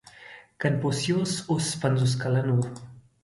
• کنفوسیوس اوس پنځوس کلن و.